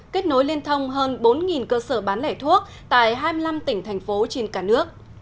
kết nối liên thông hơn bốn cơ sở bán lẻ thuốc tại hai mươi năm tỉnh thành phố trên cả nước